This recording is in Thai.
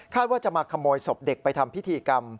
ว่าจะมาขโมยศพเด็กไปทำพิธีกรรม